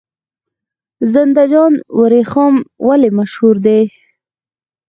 زنده جان وریښم ولې مشهور دي؟